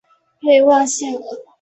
佩旺谢尔。